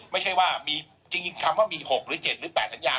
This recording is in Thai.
ไม่ใช่ว่ามีจริงคำว่ามี๖หรือ๗หรือ๘สัญญา